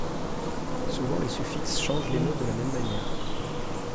Souvent les suffixes change les mots de la même manière.